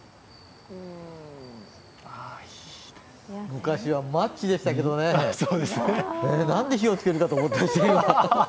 昔はマッチでしたけどね、何で火をつけるのかと思った。